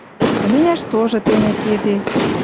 Тыменяш тоже тене кеде